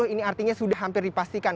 ini artinya sudah hampir dipastikan